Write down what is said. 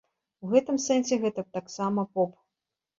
У гэтым сэнсе гэта таксама поп.